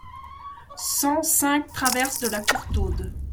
cent cinq traverse de la Courtaude